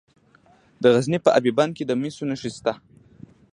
د غزني په اب بند کې د مسو نښې شته.